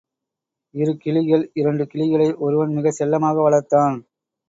இரு கிளிகள் இரண்டு கிளிகளை ஒருவன் மிகச் செல்லமாக வளர்த்தான்.